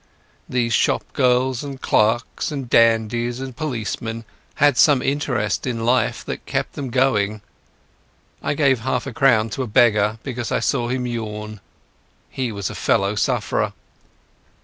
These shop girls and clerks and dandies and policemen had some interest in life that kept them going. I gave half a crown to a beggar because I saw him yawn; he was a fellow sufferer.